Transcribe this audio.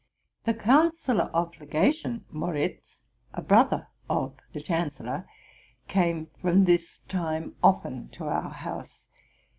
The counsellor of legation, Moritz, a brother of the chan cellor, came from this time often to our house.